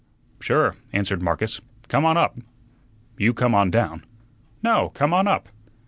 "Sure," answered Marcus. "Come on up." "You come on down." "No, come on up."